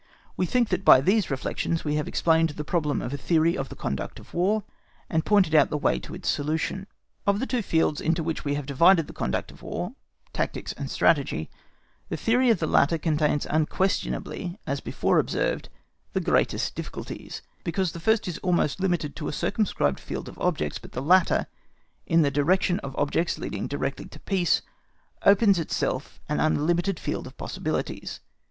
We think that by these reflections we have explained the problem of a theory of the conduct of War; and pointed out the way to its solution. Of the two fields into which we have divided the conduct of War, tactics and strategy, the theory of the latter contains unquestionably, as before observed, the greatest difficulties, because the first is almost limited to a circumscribed field of objects, but the latter, in the direction of objects leading directly to peace, opens to itself an unlimited field of possibilities.